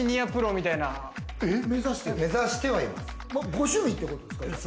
ご趣味ってことですか？